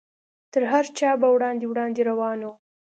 تر هر چا به وړاندې وړاندې روان و.